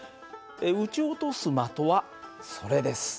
撃ち落とす的はそれです。